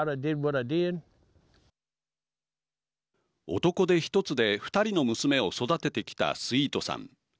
男手一つで２人の娘を育ててきたスイートさん。